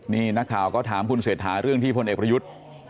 นี่นักข่าวก็ถามคุณเศรษฐาเรื่องที่พลเอกประยุทธ์